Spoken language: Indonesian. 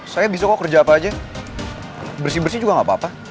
saya bisa kok kerja apa aja bersih bersih juga gak apa apa